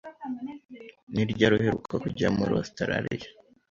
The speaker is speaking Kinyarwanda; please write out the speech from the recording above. Ni ryari uheruka kujya muri Ositaraliya?